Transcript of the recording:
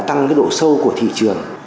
tăng cái độ sâu của thị trường